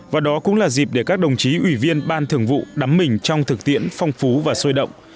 và đó cũng là dịp để các đồng chí ủy viên ban thường vụ đắm mình trong thực tiễn phong phú và sôi động